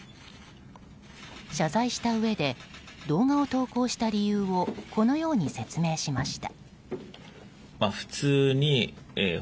謝罪したうえで動画を投稿した理由をこのように説明しました。